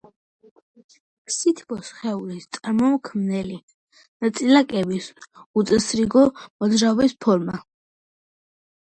სითბო სხეულის წარმომქნელი ნაწილაკების უწესრიგო მოძრაობის ფორმაა.